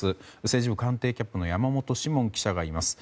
政治部官邸キャップの山本志門記者がいます。